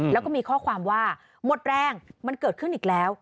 แล้วก็มีข้อความว่าหมดแรงมันเกิดขึ้นอีกแล้ว